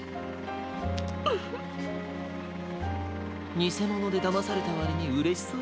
にせものでだまされたわりにうれしそうじゃないか。